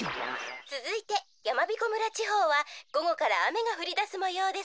つづいてやまびこ村ちほうはごごからあめがふりだすもようです。